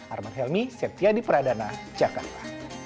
armand helmy setia di peradana jakarta